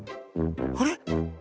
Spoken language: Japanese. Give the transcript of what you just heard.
あれ？